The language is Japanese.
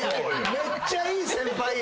めっちゃいい先輩やん。